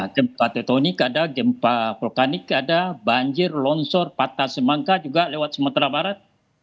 gempa tektonik ada gempa vulkanik ada banjir longsor patah semangka juga lewat sumatera barat